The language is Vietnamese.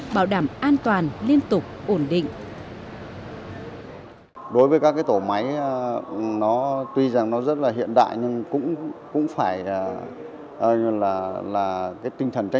bảo đảm an toàn liên tục ổn định